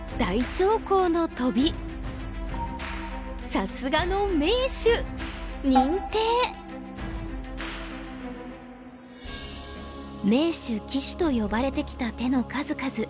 さすがの名手・鬼手と呼ばれてきた手の数々。